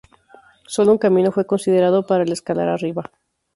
Solo un camino fue considerado para el escalar arriba.